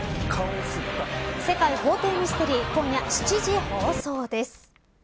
世界法廷ミステリー今夜７時放送です。